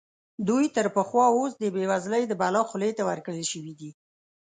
دوی تر پخوا اوس د بېوزلۍ د بلا خولې ته ورکړل شوي دي.